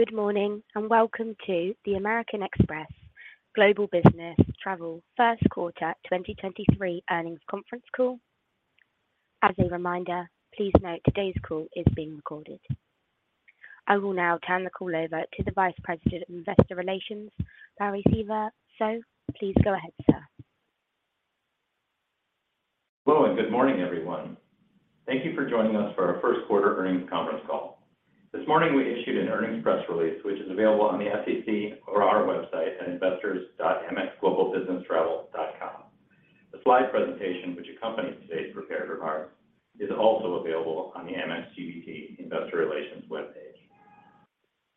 Good morning, and welcome to the American Express Global Business Travel Q1 2023 earnings conference call. As a reminder, please note today's call is being recorded. I will now turn the call over to the Vice President of Investor Relations, Barry Sievert. Please go ahead, sir. Hello, good morning, everyone. Thank you for joining us for our Q1 earnings conference call. This morning, we issued an earnings press release, which is available on the SEC or our website at investors.amexglobalbusinesstravel.com. The slide presentation, which accompanies today's prepared remarks, is also available on the Amex GBT Investor Relations webpage.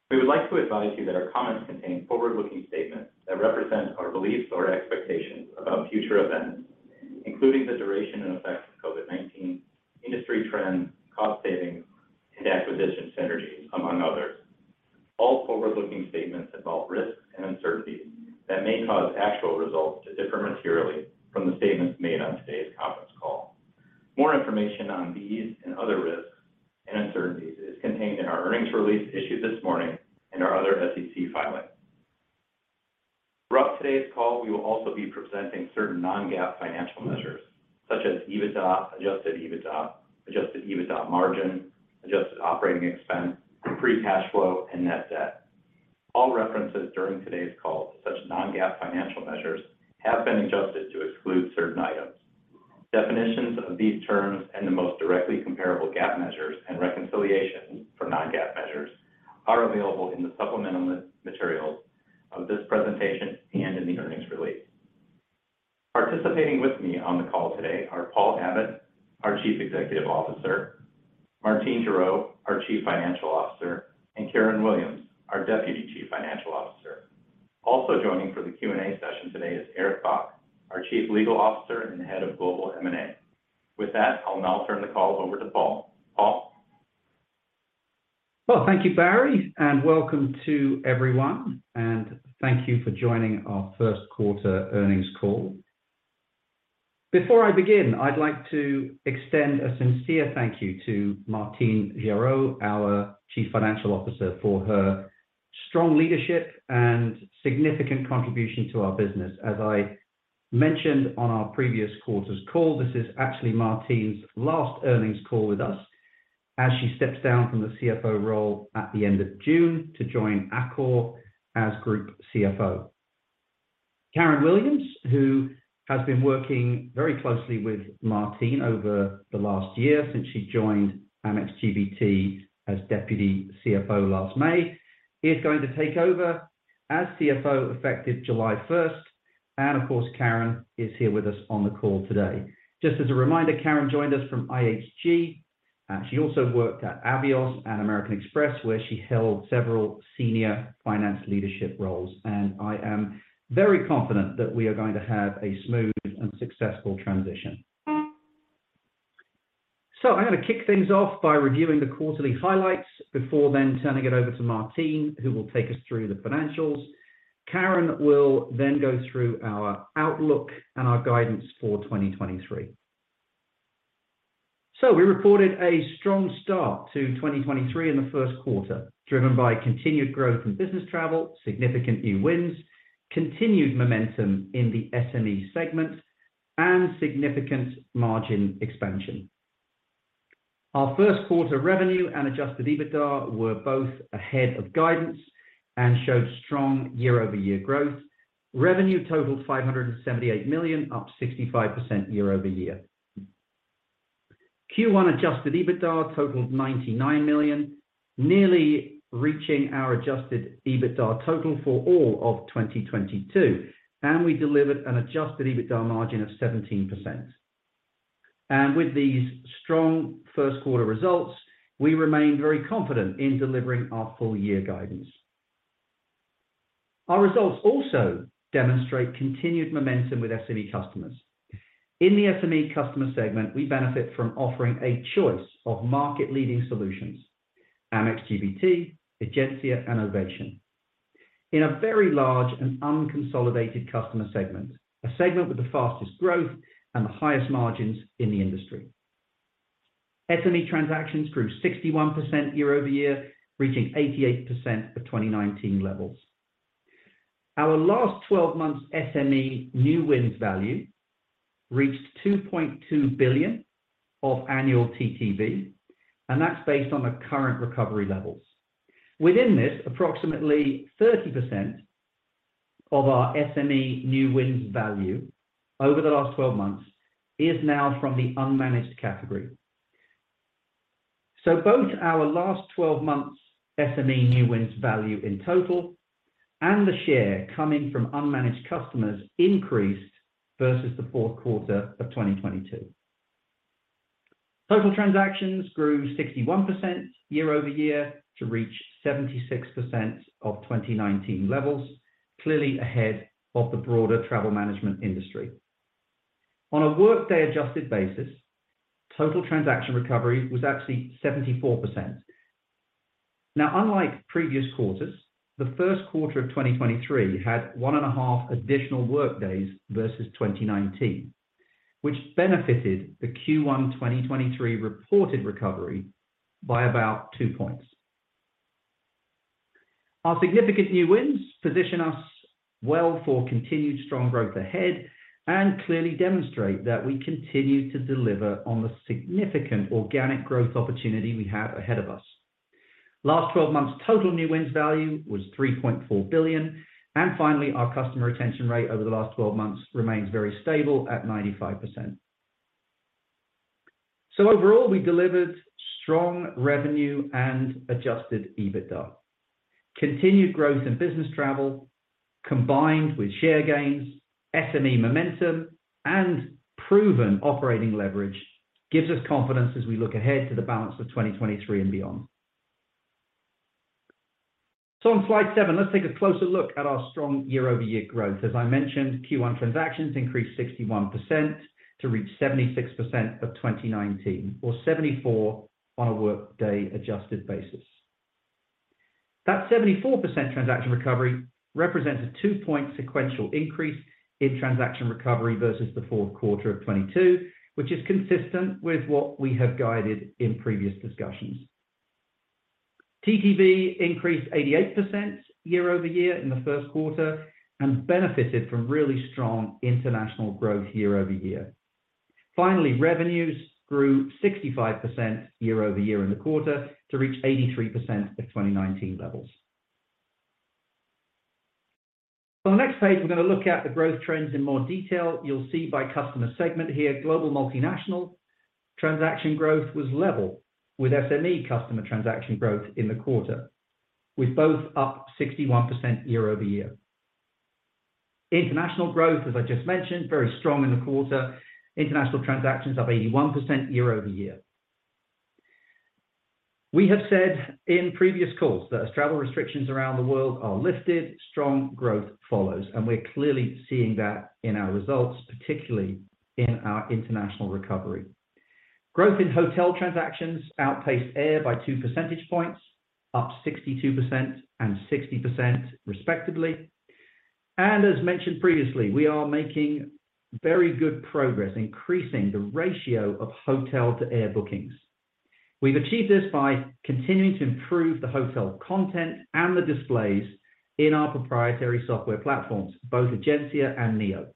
We would like to advise you that our comments contain forward-looking statements that represent our beliefs or expectations about future events, including the duration and effects of COVID-19, industry trends, cost savings, and acquisition synergies, among others. All forward-looking statements involve risks and uncertainties that may cause actual results to differ materially from the statements made on today's conference call. More information on these and other risks and uncertainties is contained in our earnings release issued this morning and our other SEC filings. Throughout today's call, we will also be presenting certain non-GAAP financial measures such as EBITDA, adjusted EBITDA, adjusted EBITDA margin, adjusted operating expense, free cash flow, and net debt. All references during today's call to such non-GAAP financial measures have been adjusted to exclude certain items. Definitions of these terms and the most directly comparable GAAP measures and reconciliation for non-GAAP measures are available in the supplemental materials of this presentation and in the earnings release. Participating with me on the call today are Paul Abbott, our Chief Executive Officer, Martine Gerow, our Chief Financial Officer, and Karen Williams, our Deputy Chief Financial Officer. Also joining for the Q&A session today is Eric Bock, our Chief Legal Officer and Head of Global M&A. With that, I'll now turn the call over to Paul. Paul. Well, thank you, Barry Sievert, and welcome to everyone, and thank you for joining our Q1 earnings call. Before I begin, I'd like to extend a sincere thank you to Martine Gerow, our Chief Financial Officer, for her strong leadership and significant contribution to our business. As I mentioned on our previous quarter's call, this is actually Martine's last earnings call with us as she steps down from the CFO role at the end of June to join Accor as Group CFO. Karen Williams, who has been working very closely with Martine over the last year since she joined Amex GBT as Deputy CFO last May, is going to take over as CFO effective July 1st. Of course, Karen is here with us on the call today. Just as a reminder, Karen joined us from IHG. She also worked at Avios and American Express, where she held several senior finance leadership roles. I am very confident that we are going to have a smooth and successful transition. I'm going to kick things off by reviewing the quarterly highlights before then turning it over to Martine, who will take us through the financials. Karen will go through our outlook and our guidance for 2023. We reported a strong start to 2023 in the Q1, driven by continued growth in business travel, significant new wins, continued momentum in the SME segment, and significant margin expansion. Our Q1 revenue and adjusted EBITDA were both ahead of guidance and showed strong year-over-year growth. Revenue totaled $578 million, up 65% year-over-year. Q1 adjusted EBITDA totaled $99 million, nearly reaching our adjusted EBITDA total for all of 2022, and we delivered an adjusted EBITDA margin of 17%. With these strong Q1 results, we remain very confident in delivering our full year guidance. Our results also demonstrate continued momentum with SME customers. In the SME customer segment, we benefit from offering a choice of market-leading solutions, Amex GBT, Egencia, and Ovation, in a very large and unconsolidated customer segment, a segment with the fastest growth and the highest margins in the industry. SME transactions grew 61% year-over-year, reaching 88% of 2019 levels. Our last 12 months SME new wins value reached $2.2 billion of annual TTV, and that's based on the current recovery levels. Within this, approximately 30% of our SME new wins value over the last 12 months is now from the unmanaged category. Both our last 12 months SME new wins value in total and the share coming from unmanaged customers increased versus the Q4 of 2022. Total transactions grew 61% year-over-year to reach 76% of 2019 levels, clearly ahead of the broader travel management industry. On a workday-adjusted basis, total transaction recovery was actually 74%. Unlike previous quarters, the Q1 of 2023 had 1.5 additional workdays versus 2019. Which benefited the Q1 2023 reported recovery by about 2 points. Our significant new wins position us well for continued strong growth ahead and clearly demonstrate that we continue to deliver on the significant organic growth opportunity we have ahead of us. Last 12 months, total new wins value was $3.4 billion. Finally, our customer retention rate over the last 12 months remains very stable at 95%. Overall, we delivered strong revenue and adjusted EBITDA. Continued growth in business travel, combined with share gains, SME momentum, and proven operating leverage gives us confidence as we look ahead to the balance of 2023 and beyond. On slide 7, let's take a closer look at our strong year-over-year growth. As I mentioned, Q1 transactions increased 61% to reach 76% of 2019 or 74% on a workday adjusted basis. That 74% transaction recovery represents a 2-point sequential increase in transaction recovery versus the Q4 of 2022, which is consistent with what we have guided in previous discussions. TTV increased 88% year-over-year in the Q1 and benefited from really strong international growth year-over-year. Finally, revenues grew 65% year-over-year in the quarter to reach 83% of 2019 levels. On the next page, we're gonna look at the growth trends in more detail. You'll see by customer segment here, global multinational transaction growth was level with SME customer transaction growth in the quarter, with both up 61% year-over-year. International growth, as I just mentioned, very strong in the quarter. International transactions up 81% year-over-year. We have said in previous calls that as travel restrictions around the world are lifted, strong growth follows, and we're clearly seeing that in our results, particularly in our international recovery. Growth in hotel transactions outpaced air by 2 percentage points, up 62% and 60% respectively. As mentioned previously, we are making very good progress increasing the ratio of hotel to air bookings. We've achieved this by continuing to improve the hotel content and the displays in our proprietary software platforms, both Egencia and Neo.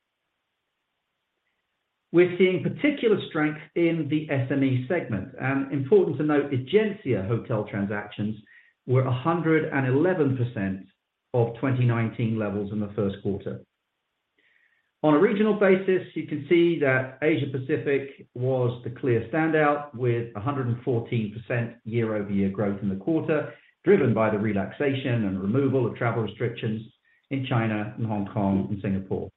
We're seeing particular strength in the SME segment, and important to note, Egencia hotel transactions were 111% of 2019 levels in the Q1. On a regional basis, you can see that Asia Pacific was the clear standout with 114% year-over-year growth in the quarter, driven by the relaxation and removal of travel restrictions in China and Hong Kong and Singapore.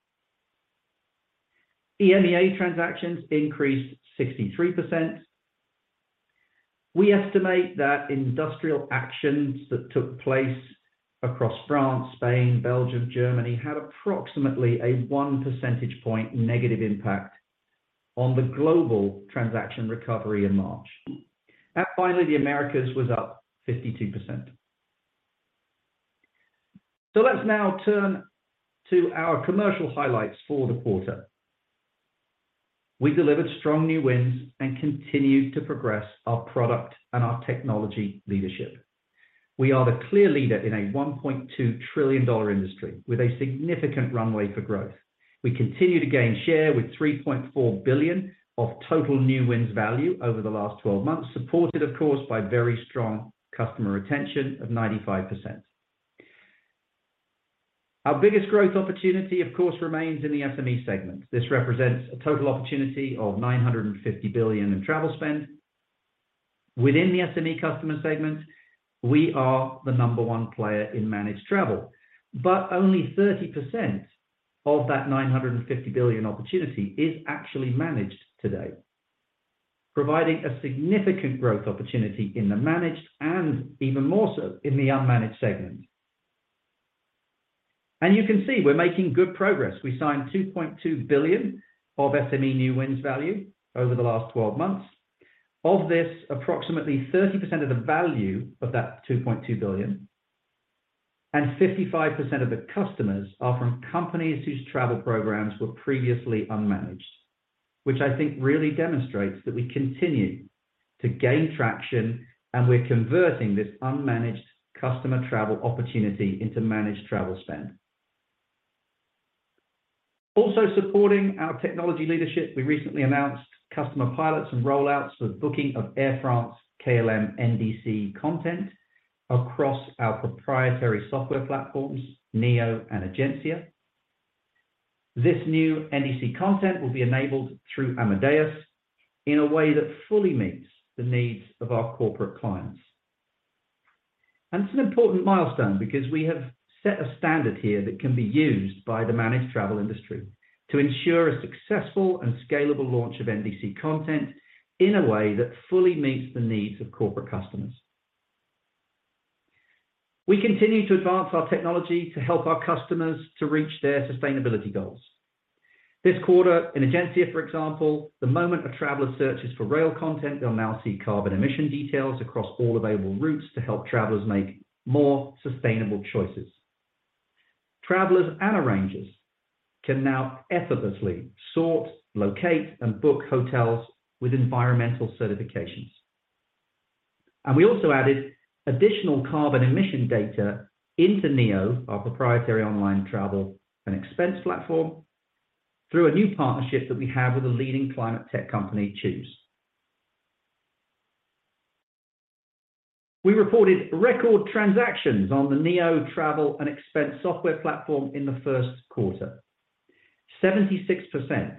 EMEA transactions increased 63%. We estimate that industrial actions that took place across France, Spain, Belgium, Germany, had approximately a 1 percentage point negative impact on the global transaction recovery in March. Finally, the Americas was up 52%. Let's now turn to our commercial highlights for the quarter. We delivered strong new wins and continued to progress our product and our technology leadership. We are the clear leader in a $1.2 trillion industry with a significant runway for growth. We continue to gain share with $3.4 billion of total new wins value over the last 12 months, supported of course by very strong customer retention of 95%. Our biggest growth opportunity, of course, remains in the SME segment. This represents a total opportunity of $950 billion in travel spend. Within the SME customer segment, we are the number one player in managed travel. Only 30% of that $950 billion opportunity is actually managed today, providing a significant growth opportunity in the managed, and even more so in the unmanaged segment. You can see we're making good progress. We signed $2.2 billion of SME new wins value over the last 12 months. Of this, approximately 30% of the value of that $2.2 billion and 55% of the customers are from companies whose travel programs were previously unmanaged, which I think really demonstrates that we continue to gain traction, and we're converting this unmanaged customer travel opportunity into managed travel spend. Also supporting our technology leadership, we recently announced customer pilots and rollouts for the booking of Air France-KLM NDC content across our proprietary software platforms, Neo and Egencia. This new NDC content will be enabled through Amadeus in a way that fully meets the needs of our corporate clients. It's an important milestone because we have set a standard here that can be used by the managed travel industry to ensure a successful and scalable launch of NDC content in a way that fully meets the needs of corporate customers. We continue to advance our technology to help our customers to reach their sustainability goals. This quarter in Egencia, for example, the moment a traveler searches for rail content, they'll now see carbon emission details across all available routes to help travelers make more sustainable choices. Travelers and arrangers can now effortlessly sort, locate, and book hotels with environmental certifications. We also added additional carbon emission data into Neo, our proprietary online travel and expense platform, through a new partnership that we have with a leading climate tech company, CHOOOSE. We reported record transactions on the Neo travel and expense software platform in the Q1. 76%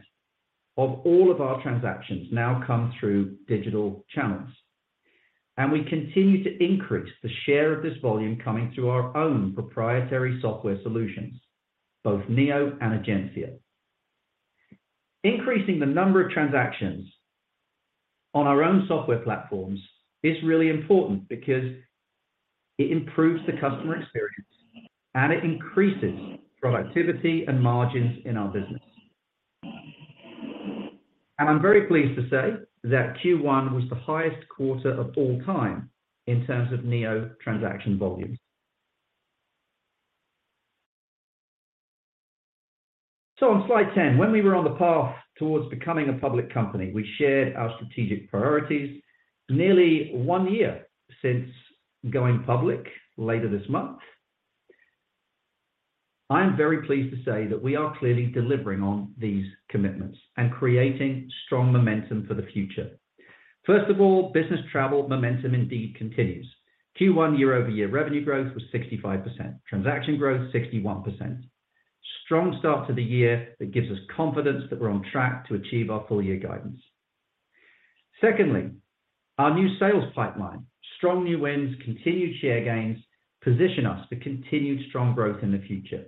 of all of our transactions now come through digital channels, and we continue to increase the share of this volume coming through our own proprietary software solutions, both Neo and Egencia. Increasing the number of transactions on our own software platforms is really important because it improves the customer experience and it increases productivity and margins in our business. I'm very pleased to say that Q1 was the highest quarter of all time in terms of Neo transaction volumes. On slide 10, when we were on the path towards becoming a public company, we shared our strategic priorities nearly 1 year since going public later this month. I'm very pleased to say that we are clearly delivering on these commitments and creating strong momentum for the future. First of all, business travel momentum indeed continues. Q1 year-over-year revenue growth was 65%. Transaction growth, 61%. Strong start to the year that gives us confidence that we're on track to achieve our full year guidance. Secondly, our new sales pipeline, strong new wins, continued share gains, position us to continued strong growth in the future.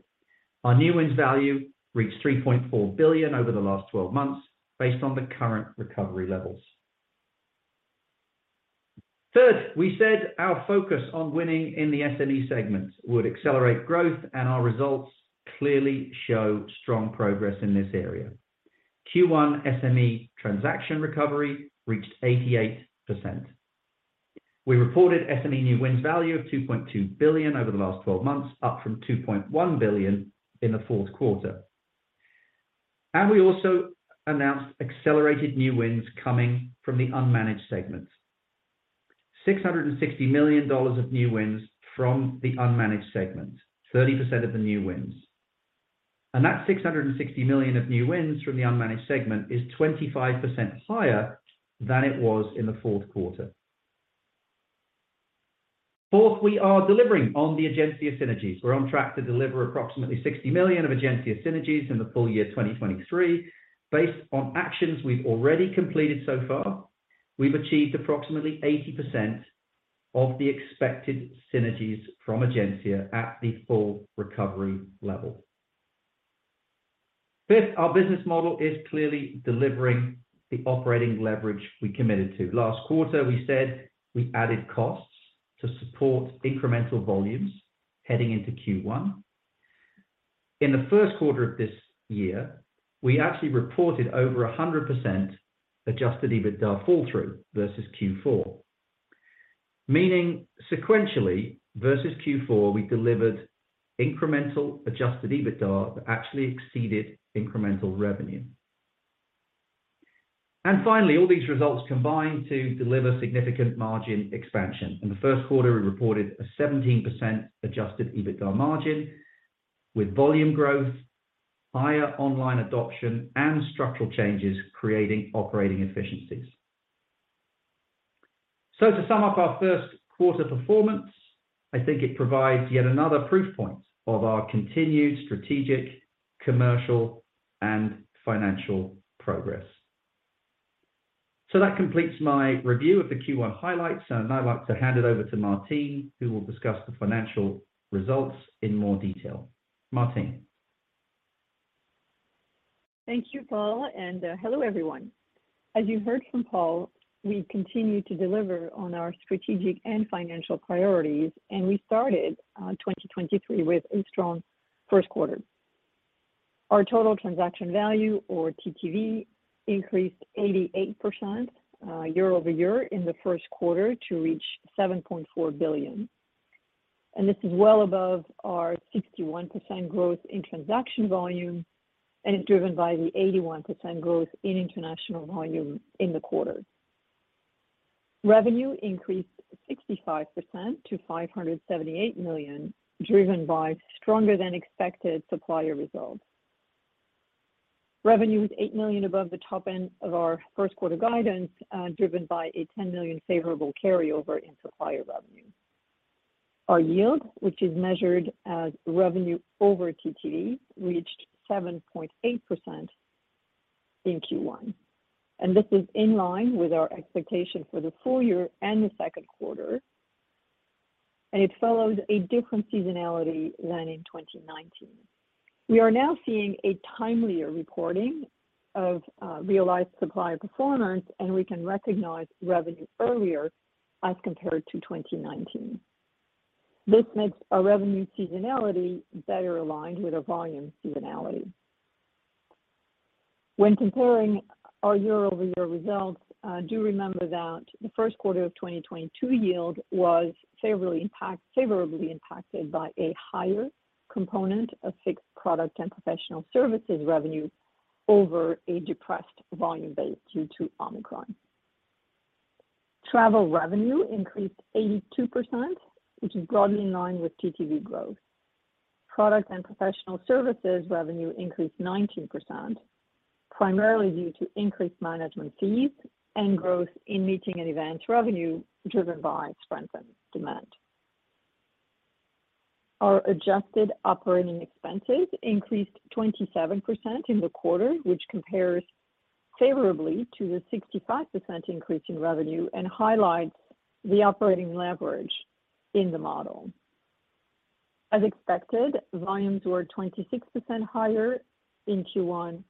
Our new wins value reached $3.4 billion over the last 12 months based on the current recovery levels. We said our focus on winning in the SME segment would accelerate growth. Our results clearly show strong progress in this area. Q1 SME transaction recovery reached 88%. We reported SME new wins value of $2.2 billion over the last 12 months, up from $2.1 billion in the Q4. We also announced accelerated new wins coming from the unmanaged segment. $660 million of new wins from the unmanaged segment, 30% of the new wins. That $660 million of new wins from the unmanaged segment is 25% higher than it was in the Q4. We are delivering on the Egencia synergies. We're on track to deliver approximately $60 million of Egencia synergies in the full year 2023. Based on actions we've already completed so far, we've achieved approximately 80% of the expected synergies from Egencia at the full recovery level. Fifth, our business model is clearly delivering the operating leverage we committed to. Last quarter, we said we added costs to support incremental volumes heading into Q1. In the Q1 of this year, we actually reported over 100% adjusted EBITDA fall through versus Q4, meaning sequentially versus Q4, we delivered incremental adjusted EBITDA that actually exceeded incremental revenue. Finally, all these results combine to deliver significant margin expansion. In the Q1, we reported a 17% adjusted EBITDA margin with volume growth, higher online adoption, and structural changes creating operating efficiencies. To sum up our Q1 performance, I think it provides yet another proof point of our continued strategic, commercial, and financial progress. That completes my review of the Q1 highlights, and I'd like to hand it over to Martine, who will discuss the financial results in more detail. Martine. Thank you, Paul, and hello, everyone. As you heard from Paul, we continue to deliver on our strategic and financial priorities, and we started 2023 with a strong Q1. Our total transaction value, or TTV, increased 88% year-over-year in the Q1 to reach $7.4 billion. This is well above our 61% growth in transaction volume, and it's driven by the 81% growth in international volume in the quarter. Revenue increased 65% to $578 million, driven by stronger than expected supplier results. Revenue was $8 million above the top end of our Q1 guidance, driven by a $10 million favorable carryover in supplier revenue. Our yield, which is measured as revenue over TTV, reached 7.8% in Q1. This is in line with our expectation for the full year and the Q2, and it follows a different seasonality than in 2019. We are now seeing a timelier reporting of realized supplier performance, and we can recognize revenue earlier as compared to 2019. This makes our revenue seasonality better aligned with our volume seasonality. Comparing our year-over-year results, do remember that the Q1 of 2022 yield was favorably impacted by a higher component of fixed product and professional services revenue over a depressed volume base due to Omicron. Travel revenue increased 82%, which is broadly in line with TTV growth. Product and professional services revenue increased 19%, primarily due to increased management fees and growth in meeting and events revenue driven by strengthened demand. Our adjusted operating expenses increased 27% in the quarter, which compares favorably to the 65% increase in revenue and highlights the operating leverage in the model. As expected, volumes were 26% higher in Q1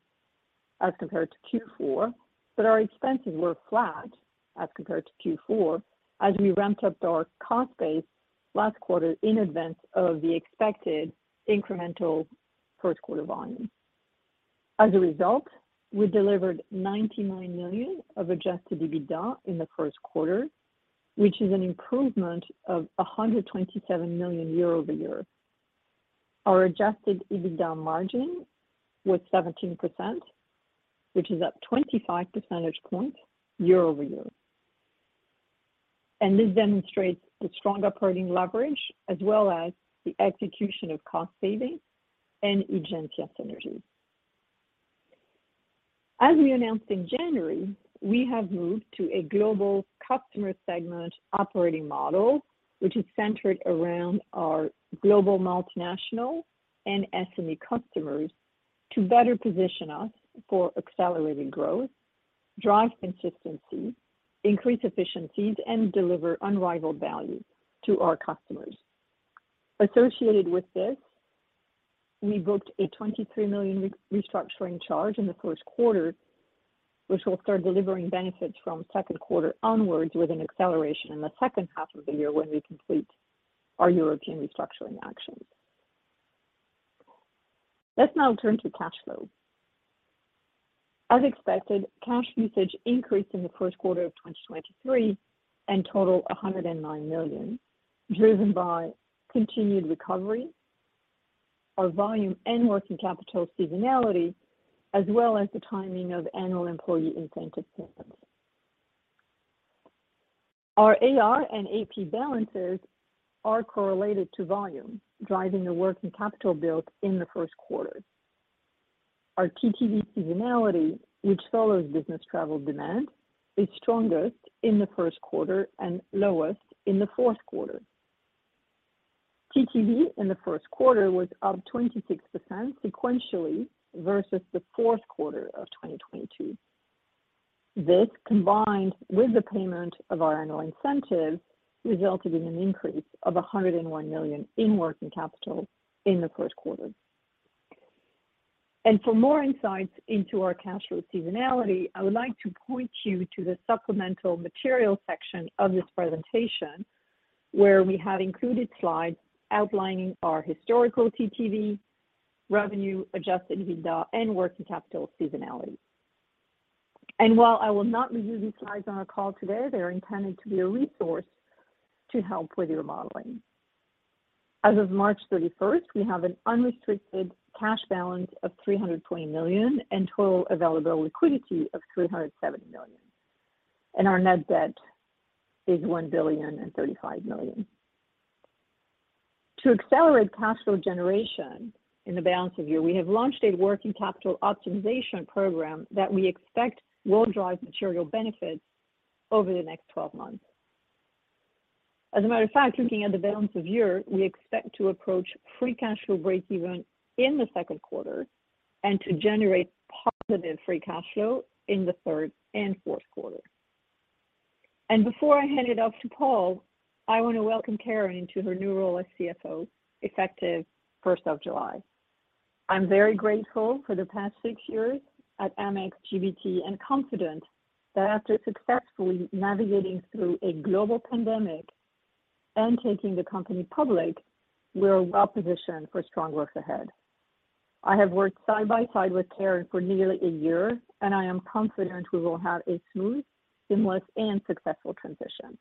as compared to Q4, but our expenses were flat as compared to Q4 as we ramped up our cost base last quarter in advance of the expected incremental Q1 volumes. As a result, we delivered $99 million of adjusted EBITDA in the Q1, which is an improvement of $127 million year-over-year. Our adjusted EBITDA margin was 17%, which is up 25 percentage points year-over-year. This demonstrates the strong operating leverage as well as the execution of cost savings and Egencia synergies. As we announced in January, we have moved to a global customer segment operating model, which is centered around our global multinational and SME customers to better position us for accelerated growth, drive consistency, increase efficiencies, and deliver unrivaled value to our customers. Associated with this, we booked a $23 million restructuring charge in the Q1, which will start delivering benefits from Q2 onwards with an acceleration in the second half of the year when we complete our European restructuring actions. Let's now turn to cash flow. As expected, cash usage increased in the Q1 of 2023 and totaled $109 million, driven by continued recovery, our volume and working capital seasonality, as well as the timing of annual employee incentive payments. Our AR and AP balances are correlated to volume, driving the working capital build in the Q1. Our TTV seasonality, which follows business travel demand, is strongest in the Q1 and lowest in the Q4. TTV in the Q1 was up 26% sequentially versus the Q4 of 2022. This, combined with the payment of our annual incentive, resulted in an increase of $101 million in working capital in the Q1. For more insights into our cash flow seasonality, I would like to point you to the supplemental material section of this presentation, where we have included slides outlining our historical TTV revenue, adjusted EBITDA, and working capital seasonality. While I will not review these slides on our call today, they are intended to be a resource to help with your modeling. As of March thirty-first, we have an unrestricted cash balance of $320 million and total available liquidity of $307 million. Our net debt is $1.035 billion. To accelerate cash flow generation in the balance of year, we have launched a working capital optimization program that we expect will drive material benefits over the next 12 months. As a matter of fact, looking at the balance of year, we expect to approach free cash flow breakeven in the Q2 and to generate positive free cash flow in the third and Q4. Before I hand it off to Paul, I want to welcome Karen into her new role as CFO, effective first of July. I'm very grateful for the past six years at Amex GBT and confident that after successfully navigating through a global pandemic and taking the company public, we're well-positioned for strong growth ahead. I have worked side by side with Karen for nearly a year, and I am confident we will have a smooth, seamless, and successful transition.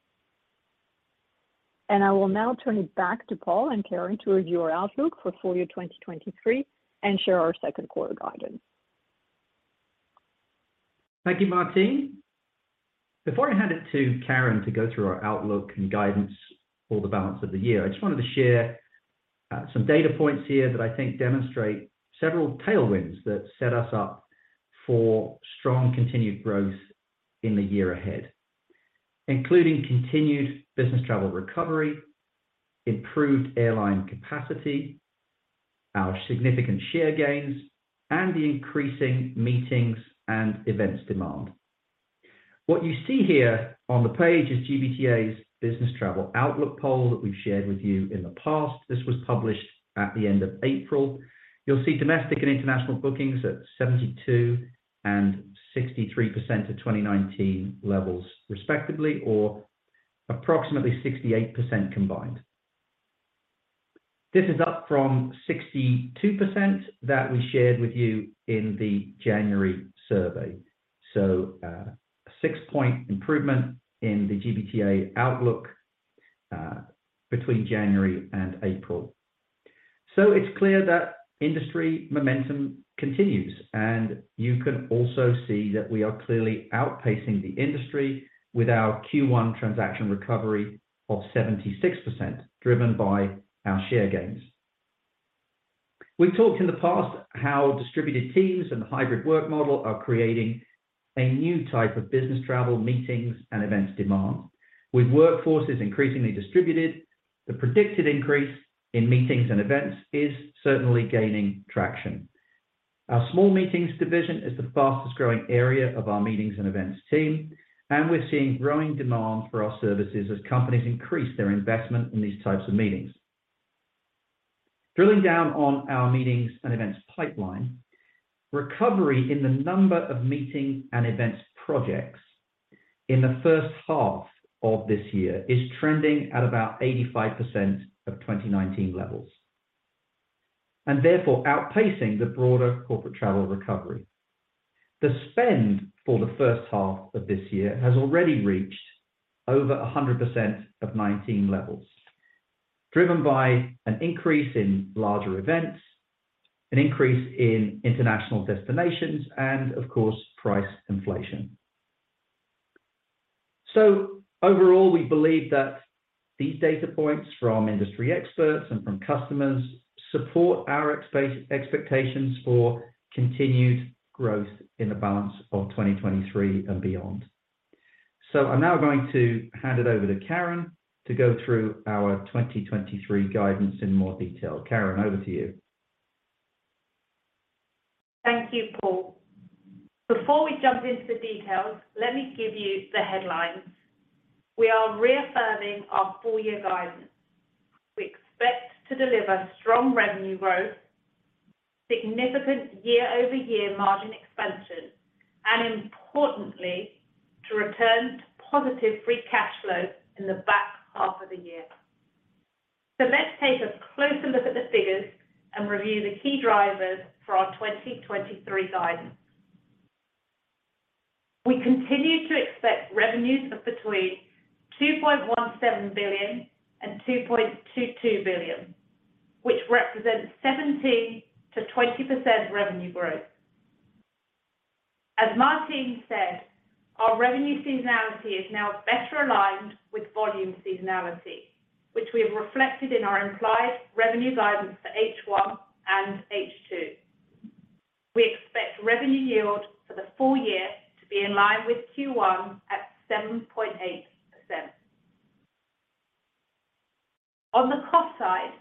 I will now turn it back to Paul and Karen to review our outlook for full year 2023 and share our Q2 guidance. Thank you, Martine. Before I hand it to Karen to go through our outlook and guidance for the balance of the year, I just wanted to share some data points here that I think demonstrate several tailwinds that set us up for strong continued growth in the year ahead, including continued business travel recovery, improved airline capacity, our significant share gains, and the increasing meetings and events demand. What you see here on the page is GBTA's Business Travel Outlook Poll that we've shared with you in the past. This was published at the end of April. You'll see domestic and international bookings at 72% and 63% of 2019 levels respectively, or approximately 68% combined. This is up from 62% that we shared with you in the January survey. A 6-point improvement in the GBTA outlook between January and April. It's clear that industry momentum continues, and you can also see that we are clearly outpacing the industry with our Q1 transaction recovery of 76%, driven by our share gains. We've talked in the past how distributed teams and the hybrid work model are creating a new type of business travel, meetings, and events demand. With workforces increasingly distributed, the predicted increase in meetings and events is certainly gaining traction. Our small meetings division is the fastest-growing area of our meetings and events team, and we're seeing growing demand for our services as companies increase their investment in these types of meetings. Drilling down on our meetings and events pipeline, recovery in the number of meeting and events projects in the first half of this year is trending at about 85% of 2019 levels, and therefore outpacing the broader corporate travel recovery. The spend for the first half of this year has already reached over 100% of 19 levels, driven by an increase in larger events, an increase in international destinations, and of course, price inflation. Overall, we believe that these data points from industry experts and from customers support our expectations for continued growth in the balance of 2023 and beyond. I'm now going to hand it over to Karen to go through our 2023 guidance in more detail. Karen, over to you. Thank you, Paul. Before we jump into the details, let me give you the headlines. We are reaffirming our full year guidance. We expect to deliver strong revenue growth, significant year-over-year margin expansion, and importantly, to return to positive free cash flow in the back half of the year. Let's take a closer look at the figures and review the key drivers for our 2023 guidance. We continue to expect revenues of between $2.17 billion and $2.22 billion, which represents 17%-20% revenue growth. As Martine said, our revenue seasonality is now better aligned with volume seasonality, which we have reflected in our implied revenue guidance for H1 and H2. We expect revenue yield for the full year to be in line with Q1 at 7.8%. On the cost side,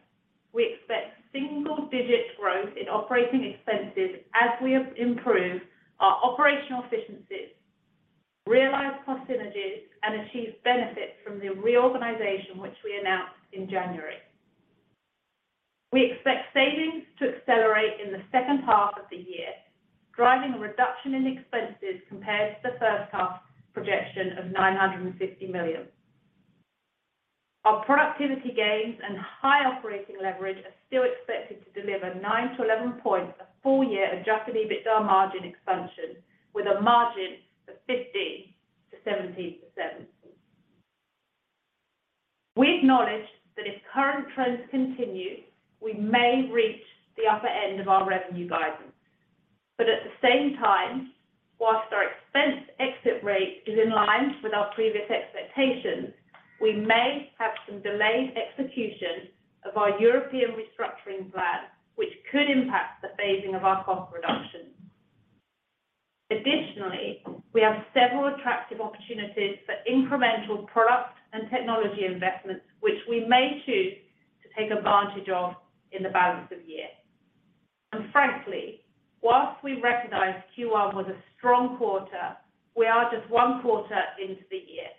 we expect single-digit growth in operating expenses as we have improved our operational efficiencies, realized cost synergies, and achieved benefits from the reorganization which we announced in January. We expect savings to accelerate in the second half of the year, driving a reduction in expenses compared to the first half projection of $950 million. Our productivity gains and high operating leverage are still expected to deliver 9-11 points of full-year adjusted EBITDA margin expansion with a margin of 15%-17%. At the same time, whilst our expense exit rate is in line with our previous expectations, we may have some delayed execution of our European restructuring plan, which could impact the phasing of our cost reductions. Additionally, we have several attractive opportunities for incremental product and technology investments, which we may choose to take advantage of in the balance of the year. Frankly, whilst we recognize Q1 was a strong quarter, we are just one quarter into the year.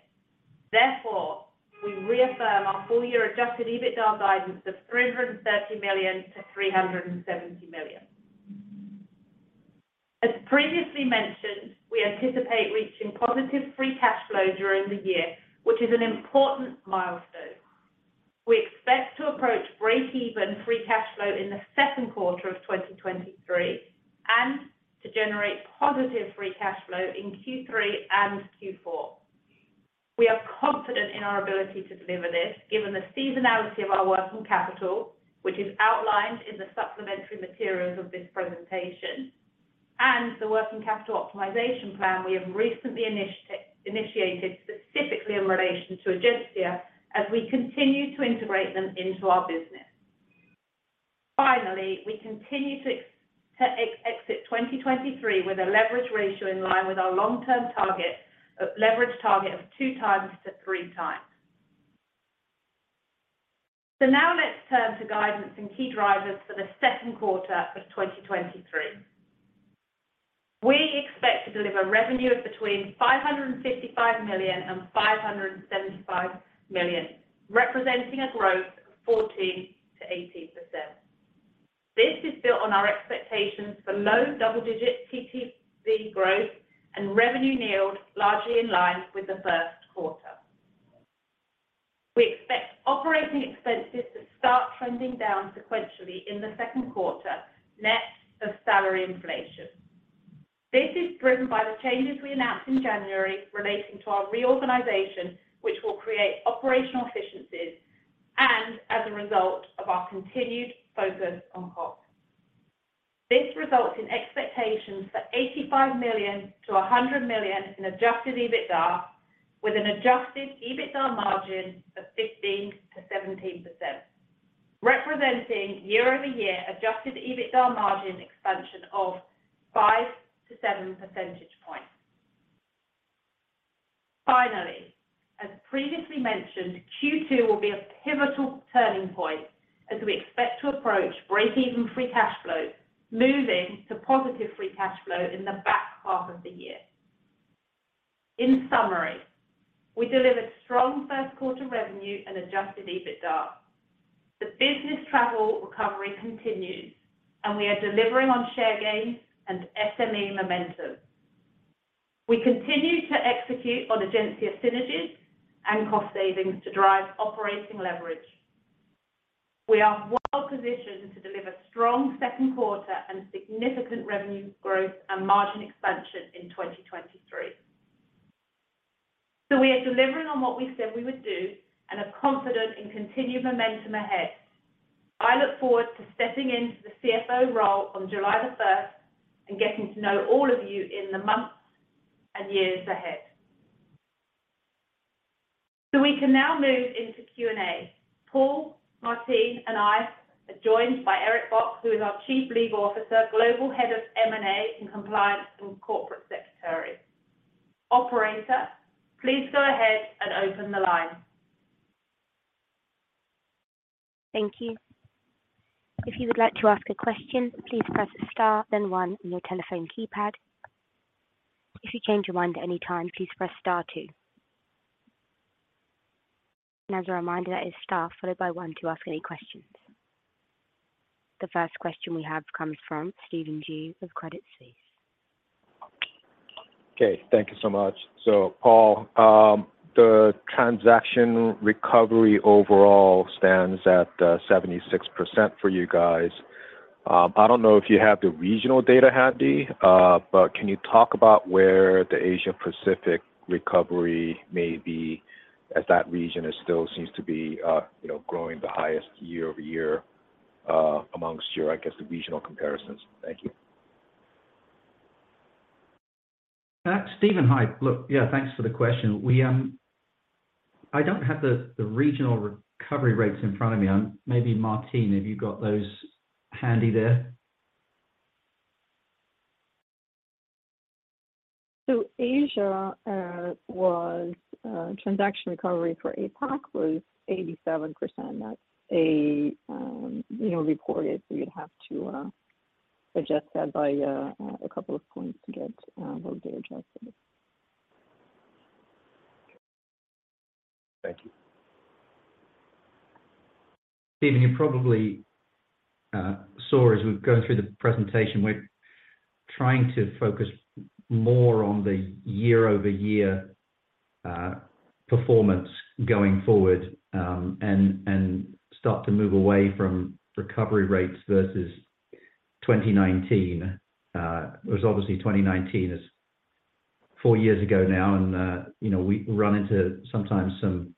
Therefore, we reaffirm our full year adjusted EBITDA guidance of $330 million-$370 million. As previously mentioned, we anticipate reaching positive free cash flow during the year, which is an important milestone. We expect to approach breakeven free cash flow in the Q2 of 2023 and to generate positive free cash flow in Q3 and Q4. We are confident in our ability to deliver this, given the seasonality of our working capital, which is outlined in the supplementary materials of this presentation, and the working capital optimization plan we have recently initiated specifically in relation to Egencia as we continue to integrate them into our business. Finally, we continue to exit 2023 with a leverage ratio in line with our long-term leverage target of 2 times to 3 times. Now let's turn to guidance and key drivers for the Q2 of 2023. We expect to deliver revenue of between $555 million and $575 million, representing a growth of 14%-18%. This is built on our expectations for low double-digit TTV growth and revenue yield largely in line with the Q1. We expect operating expenses to start trending down sequentially in the Q2, net of salary inflation. This is driven by the changes we announced in January relating to our reorganization, which will create operational efficiencies and as a result of our continued focus on costs. This results in expectations for $85 million-$100 million in adjusted EBITDA, with an adjusted EBITDA margin of 15%-17%, representing year-over-year adjusted EBITDA margin expansion of 5 to 7 percentage points. As previously mentioned, Q2 will be a pivotal turning point as we expect to approach break-even free cash flow, moving to positive free cash flow in the back half of the year. In summary, we delivered strong Q1 revenue and adjusted EBITDA. The business travel recovery continues. We are delivering on share gains and SME momentum. We continue to execute on Egencia synergies and cost savings to drive operating leverage. We are well positioned to deliver strong Q2 and significant revenue growth and margin expansion in 2023. We are delivering on what we said we would do and are confident in continued momentum ahead. I look forward to stepping into the CFO role on July 1st and getting to know all of you in the months and years ahead. We can now move into Q&A. Paul, Martine, and I are joined by Eric Bock, who is our Chief Legal Officer, Global Head of M&A in Compliance, and Corporate Secretary. Operator, please go ahead and open the line. Thank you. If you would like to ask a question, please press star then one on your telephone keypad. If you change your mind at any time, please press star two. As a reminder, that is star followed by one to ask any questions. The first question we have comes from Stephen Ju of Credit Suisse. Okay, thank you so much. Paul, the transaction recovery overall stands at 76% for you Everyone. I don't know if you have the regional data handy, but can you talk about where the Asia Pacific recovery may be as that region is still seems to be, you know, growing the highest year-over-year, amongst your, I guess, the regional comparisons? Thank you. Stephen. Hi. Look, thanks for the question. We, I don't have the regional recovery rates in front of me. maybe Martine, have you got those handy there? Asia was transaction recovery for APAC was 87%. That's a, you know, reported, so you'd have to adjust that by a couple of points to get those data adjusted. Thank you. Stephen Ju, you probably saw as we've gone through the presentation, we're trying to focus more on the year-over-year performance going forward, and start to move away from recovery rates versus 2019. It was obviously 2019 is four years ago now and, you know, we run into sometimes some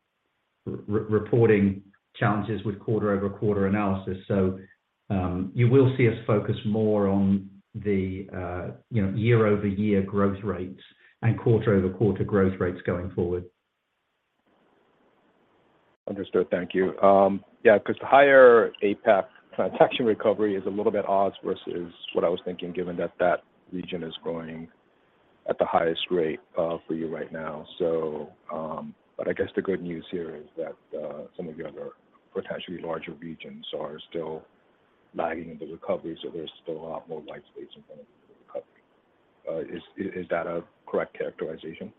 reporting challenges with quarter-over-quarter analysis. You will see us focus more on the, you know, year-over-year growth rates and quarter-over-quarter growth rates going forward. Understood. Thank you. 'Cause the higher APAC transaction recovery is a little bit odds versus what I was thinking, given that that region is growing at the highest rate for you right now. I guess the good news here is that some of your other potentially larger regions are still lagging in the recovery, so there's still a lot more white space in front of you in the recovery. Is that a correct characterization?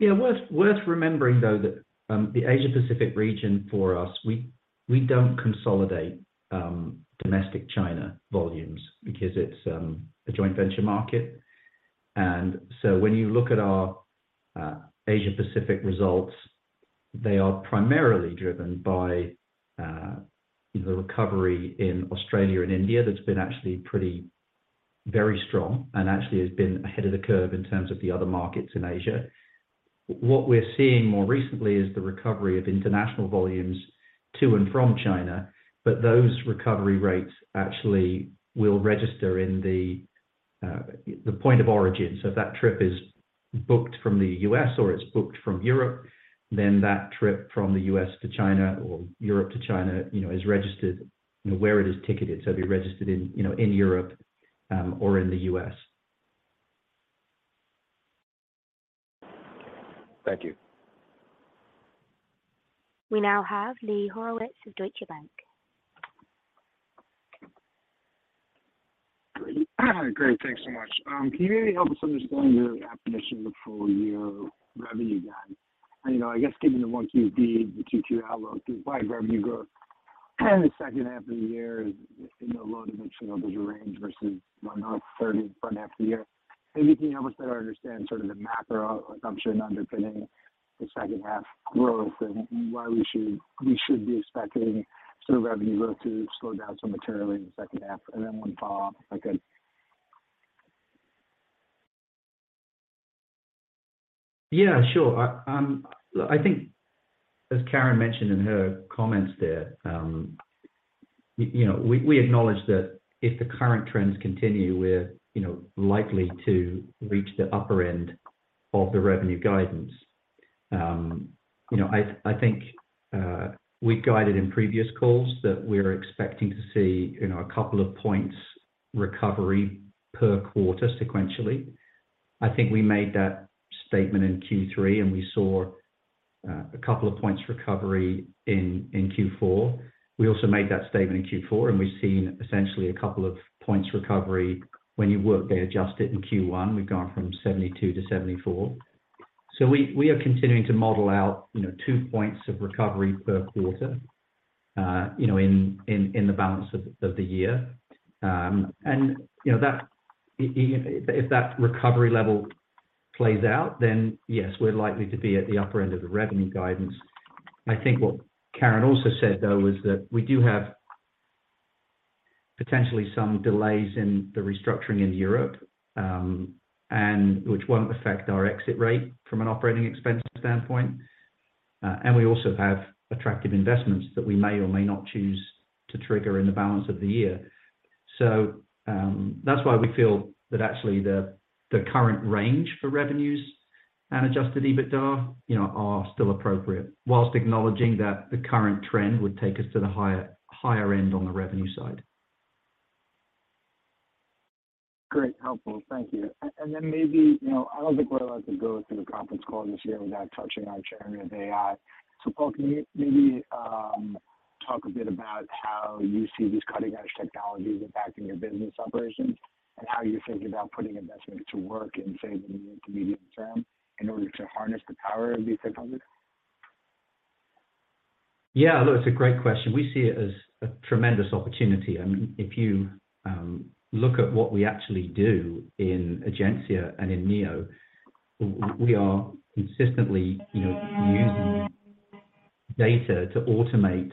Worth remembering though that, the Asia Pacific region for us, we don't consolidate, domestic China volumes because it's a joint venture market. When you look at our Asia Pacific results, they are primarily driven by, you know, the recovery in Australia and India that's been actually pretty, very strong and actually has been ahead of the curve in terms of the other markets in Asia. We are seeing more recently is the recovery of international volumes to and from China, but those recovery rates actually will register in the point of origin. If that trip is booked from the U.S. or it's booked from Europe, That trip from the U.S. to China or Europe to China, you know, is registered, you know, where it is ticketed. it'd be registered in, you know, in Europe, or in the US. Okay. Thank you. We now have Lee Horowitz of Deutsche Bank. Great. Thanks so much. Can you maybe help us understand your definition of full-year revenue guide? You know, I guess given the one QD, the two-tier outlook, despite revenue growth and the second half of the year is in the low dimension of the range versus one-off thirty front half the year. Maybe you can help us better understand sort of the macro assumption underpinning the second half growth and why we should be expecting sort of revenue growth to slow down so materially in the second half. One follow-up, if I could. Sure. I think as Karen mentioned in her comments there, you know, we acknowledge that if the current trends continue with, you know, likely to reach the upper end of the revenue guidance. You know, I think we guided in previous calls that we're expecting to see, you know, a couple of points recovery per quarter sequentially. I think we made that statement in Q3, and we saw a couple of points recovery in Q4. We also made that statement in Q4, and we've seen essentially a couple of points recovery when you work the adjusted in Q1, we've gone from 72 to 74. We, we are continuing to model out, you know, two points of recovery per quarter, you know, in, in the balance of the year. If that recovery level plays out, then yes, we're likely to be at the upper end of the revenue guidance. I think what Karen also said, though, was that we do have potentially some delays in the restructuring in Europe, and which won't affect our exit rate from an operating expense standpoint. We also have attractive investments that we may or may not choose to trigger in the balance of the year. That's why we feel that actually the current range for revenues and adjusted EBITDA, you know, are still appropriate, whilst acknowledging that the current trend would take us to the higher end on the revenue side. Great. Helpful. Thank you. Maybe, I don't think we're allowed to go through the conference call this year without touching on generative AI. Paul, can you maybe, talk a bit about how you see these cutting-edge technologies impacting your business operations and how you think about putting investment to work in, say, the near to medium term in order to harness the power of these technologies? Look, it's a great question. We see it as a tremendous opportunity. I mean, if you look at what we actually do in Egencia and in Neo, we are consistently, you know, using data to automate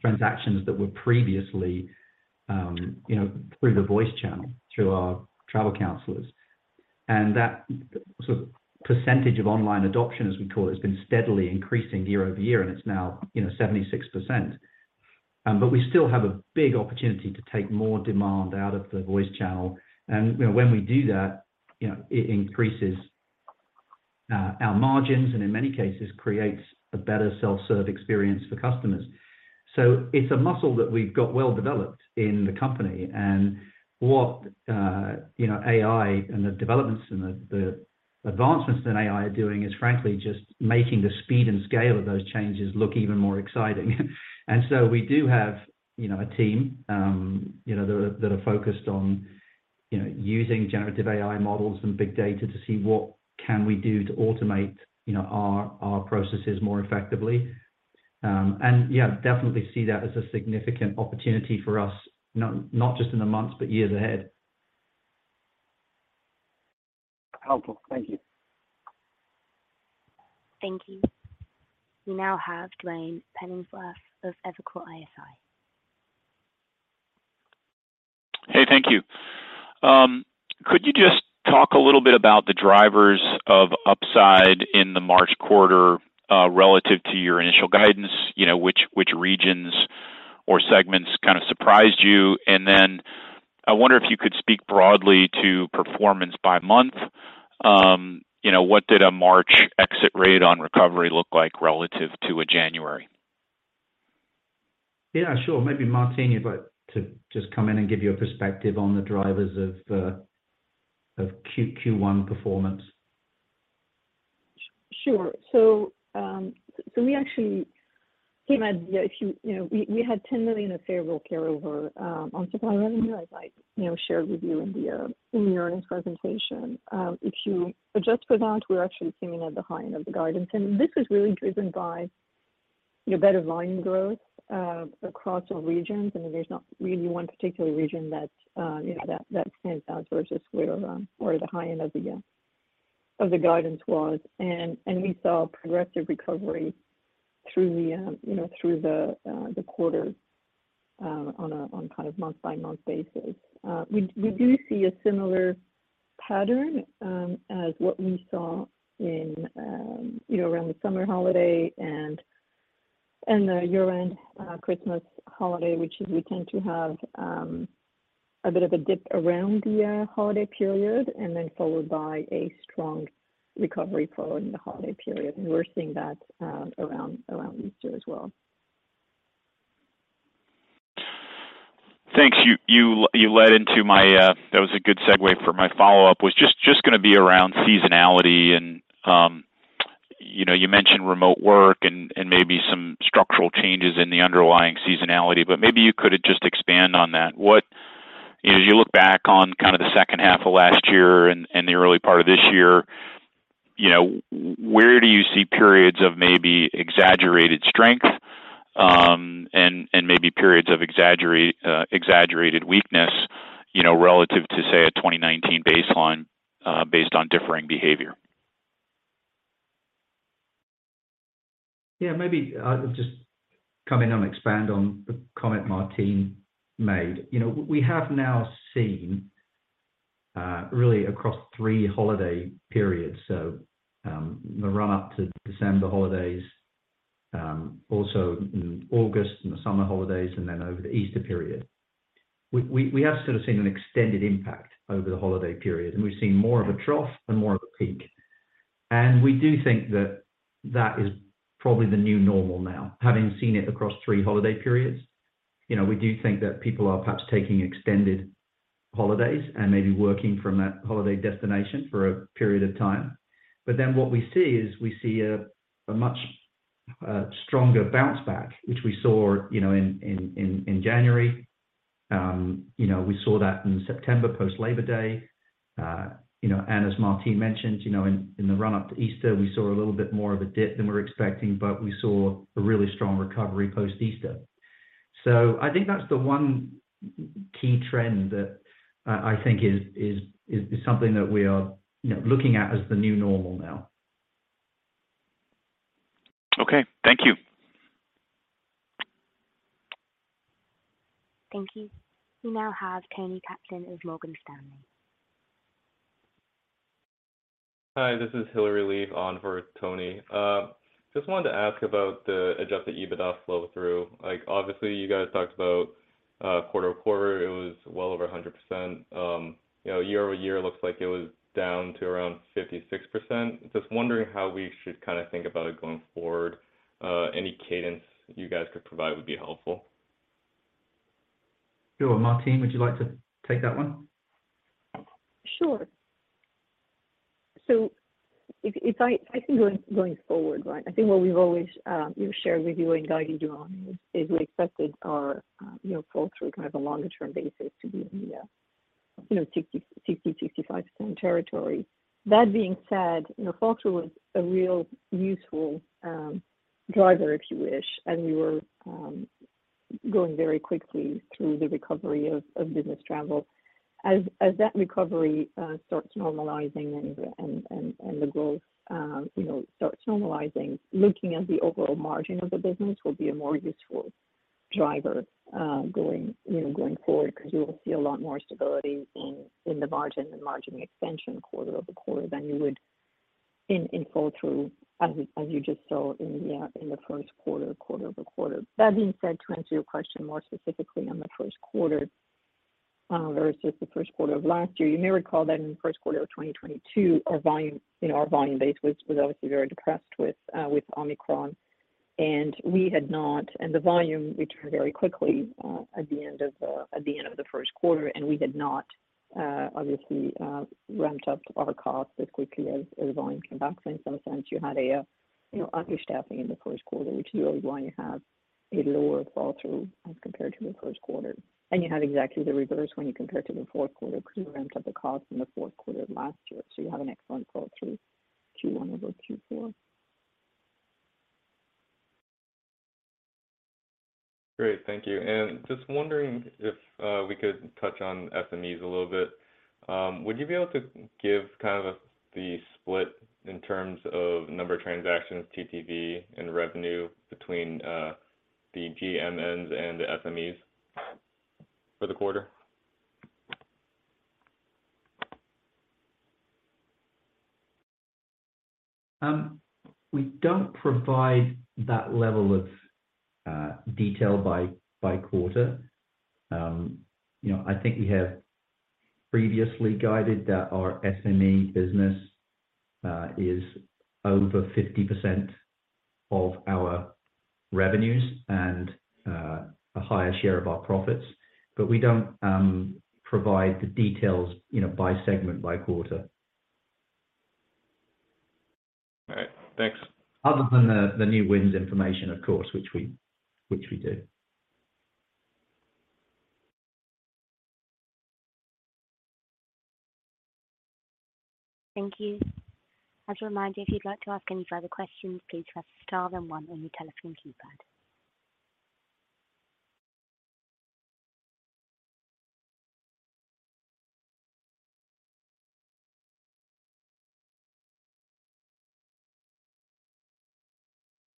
transactions that were previously, you know, through the voice channel, through our travel counselors. That sort of percentage of online adoption, as we call it, has been steadily increasing year-over-year, and it's now, you know, 76%. We still have a big opportunity to take more demand out of the voice channel. When we do that, you know, it increases our margins and in many cases creates a better self-serve experience for customers. It's a muscle that we've got well developed in the company. What AI and the developments and the advancements that AI are doing is frankly just making the speed and scale of those changes look even more exciting. We do have, you know, a team, you know, that are focused on, you know, using generative AI models and big data to see what can we do to automate, you know, our processes more effectively. Definitely see that as a significant opportunity for us, not just in the months, but years ahead. Helpful. Thank you. Thank you. We now have Duane Pfennigwerth of Evercore ISI. Hey, thank you. Could you just talk a little bit about the drivers of upside in the March quarter relative to your initial guidance? Which regions or segments kind of surprised you? I wonder if you could speak broadly to performance by month. You know, what did a March exit rate on recovery look like relative to a January? Maybe Martine, you'd like to just come in and give you a perspective on the drivers of Q1 performance. Sure. We actually came at, if you know, we had $10 million of favorable carryover on supply revenue, as I shared with you in the earnings presentation. If you adjust for that, we're actually sitting at the high end of the guidance. This is really driven by, you know, better volume growth across all regions. I mean, there's not really one particular region that, you know, that stands out versus where the high end of the guidance was. We saw progressive recovery through the, you know, through the quarter on kind of month-by-month basis. We do see a similar pattern, as what we saw in, you know, around the summer holiday and the year-end, Christmas holiday, which is we tend to have a bit of a dip around the holiday period and then followed by a strong recovery following the holiday period. We're seeing that around Easter as well. Thanks. You led into my, that was a good segue for my follow-up, was just gonna be around. You mentioned remote work and maybe some structural changes in the underlying seasonality, but maybe you could just expand on that. What. As you look back on kind of the second half of last year and the early part of this year, you know, where do you see periods of maybe exaggerated strength, and maybe periods of exaggerated weakness, you know, relative to, say, a 2019 baseline, based on differing behavior? Maybe I'll just come in and expand on the comment Martine made. You know, we have now seen really across three holiday periods, so the run-up to December holidays, also in August in the summer holidays, over the Easter period. We have sort of seen an extended impact over the holiday period, and we've seen more of a trough than more of a peak. We do think that that is probably the new normal now, having seen it across three holiday periods. You know, we do think that people are perhaps taking extended holidays and maybe working from that holiday destination for a period of time. What we see is we see a much stronger bounce back, which we saw, you know, in January. We saw that in September post Labor Day. You know, as Martine mentioned, you know, in the run-up to Easter, we saw a little bit more of a dip than we were expecting, but we saw a really strong recovery post Easter. I think that's the one key trend that I think is, is something that we are, you know, looking at as the new normal now. Okay. Thank you. Thank you. We now have Toni Kaplan of Morgan Stanley. Hi, this is Hilary Lee on for Toni Kaplan. Just wanted to ask about the adjusted EBITDA flow-through. Like, obviously, you guys talked about, quarter-over-quarter, it was well over 100%. You know, year-over-year, it looks like it was down to around 56%. Just wondering how we should kinda think about it going forward. Any cadence you guys could provide would be helpful. Sure. Martine, would you like to take that one? Sure. If I think going forward, right. I think what we've always, you know, shared with you and guided you on is we expected our, you know, fall through kind of a longer term basis to be in the, you know, 60, 65% territory. That being said, you know, fall through was a real useful driver, if you wish, and we were going very quickly through the recovery of business travel. As that recovery starts normalizing and the growth, you know, starts normalizing, looking at the overall margin of the business will be a more useful driver, going, you know, going forward because you will see a lot more stability in the margin and margin extension quarter-over-quarter than you would in full through as you just saw in the Q1-over-quarter. That being said, to answer your question more specifically on the Q1, versus the Q1 of last year, you may recall that in the Q1 of 2022, our volume, you know, our volume base was obviously very depressed with Omicron. The volume returned very quickly, at the end of, at the end of the Q1, and we had not, obviously, ramped up our costs as quickly as volume came back. In some sense, you had a, you know, understaffing in the Q1, which is why you have a lower fall through as compared to the Q1. You have exactly the reverse when you compare to the Q4 because you ramped up the cost in the Q4 of last year. You have an excellent fall through Q1 over Q4. Great. Thank you. Just wondering if we could touch on SMEs a little bit. Would you be able to give kind of the split in terms of number of transactions, TTV, and revenue between the GMMs and the SMEs for the quarter? We don't provide that level of detail by quarter. You know, I think we have previously guided that our SME business is over 50% of our revenues and a higher share of our profits. We don't provide the details, you know, by segment, by quarter. All right. Thanks. Other than the new wins information, of course, which we do. Thank you. As a reminder, if you'd like to ask any further questions, please press star then one on your telephone keypad.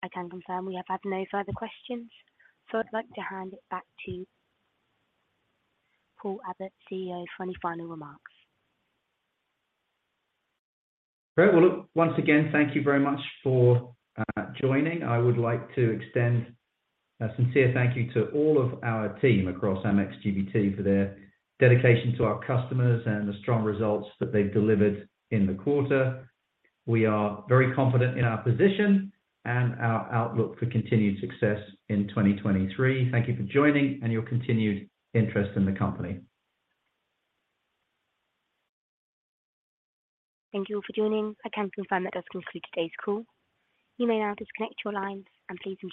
I can confirm we have had no further questions, I'd like to hand it back to Paul Abbott, CEO, for any final remarks. Great. Well, look, once again, thank you very much for joining. I would like to extend a sincere thank you to all of our team across Amex GBT for their dedication to our customers and the strong results that they've delivered in the quarter. We are very confident in our position and our outlook for continued success in 2023. Thank you for joining and your continued interest in the company. Thank you all for joining. I can confirm that does conclude today's call. You may now disconnect your lines. Please remain silent.